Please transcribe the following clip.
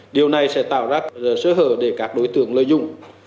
điều này sẽ tạo ra sơ hở để các đối tượng lợi dụng